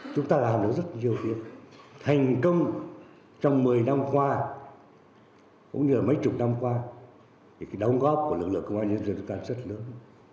chúng ta làm được rất nhiều việc thành công trong một mươi năm qua cũng như mấy chục năm qua thì cái đóng góp của lực lượng công an nhân dân chúng ta rất là lớn